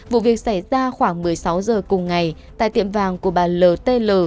vụ việc xảy ra khoảng một mươi sáu giờ cùng ngày tại tiệm vàng của bà l t l